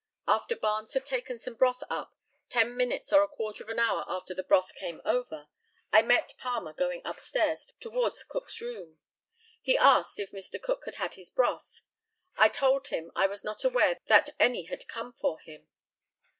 After Barnes had taken some broth up, ten minutes or a quarter of an hour after the broth came over, I met Palmer going upstairs towards Cook's room. He asked if Mr. Cook had had his broth? I told him I was not aware that any had come for him.